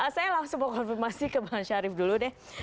saya langsung mau konfirmasi ke bang syarif dulu deh